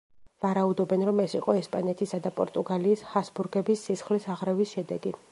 ვარაუდობენ, რომ ეს იყო ესპანეთისა და პორტუგალიის ჰაბსბურგების სისხლის აღრევის შედეგი.